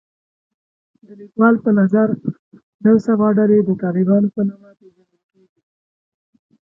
د لیکوال په نظر نن سبا ډلې د طالبانو په نامه پېژندل کېږي